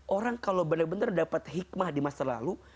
orang kalau benar benar dapat hikmah di masa lalu